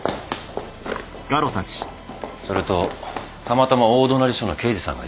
それとたまたま大隣署の刑事さんがいたんだ。